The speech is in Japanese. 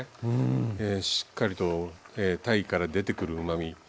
しっかりとたいから出てくるうまみ。